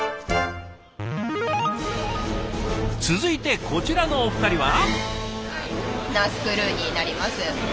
続いてこちらのお二人は。